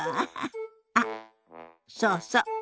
あっそうそう。